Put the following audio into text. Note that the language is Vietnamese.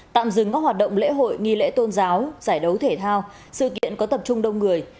tạm dừng các hoạt động lễ hội nghi lễ tôn giáo giải đấu thể thao sự kiện có tập trung đông người